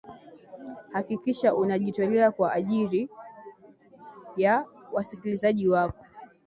hakikisha unajitolea kwa ajiri ya wasikilizaji wako